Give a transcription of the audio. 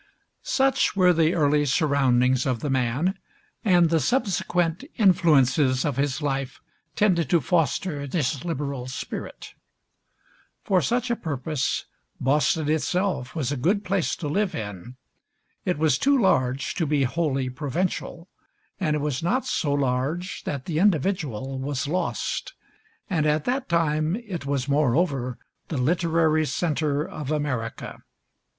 Such were the early surroundings of the man, and the subsequent influences of his life tended to foster this liberal spirit. For such a purpose, Boston itself was a good place to live in: it was too large to be wholly provincial, and it was not so large that the individual was lost; and at that time it was moreover the literary centre of America.